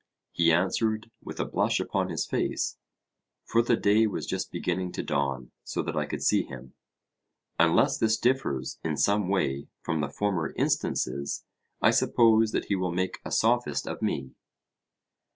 He answered, with a blush upon his face (for the day was just beginning to dawn, so that I could see him): Unless this differs in some way from the former instances, I suppose that he will make a Sophist of me.